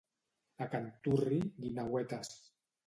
A Canturri, guineuetes.